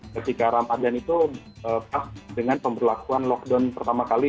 ketika ramadhan itu pas dengan pemberlakuan lockdown pertama kali